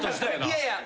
いやいや。